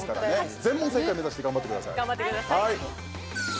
全問正解目指して頑張ってください。